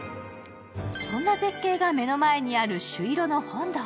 そんな絶景が目の前にある朱色の本堂。